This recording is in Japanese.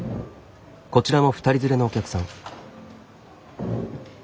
こちらも２人連れのお客さん。